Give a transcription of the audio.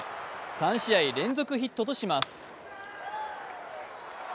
３試合連続ヒットとします。